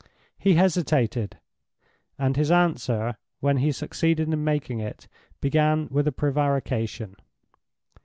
He hesitated; and his answer, when he succeeded in making it, began with a prevarication.